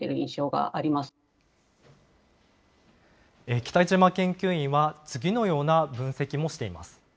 北嶋研究員は次のような分析もしています。